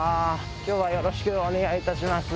今日はよろしくお願いいたします。